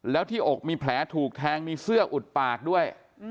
แล้วที่อกมีแผลถูกแทงมีเสื้ออุดปากด้วย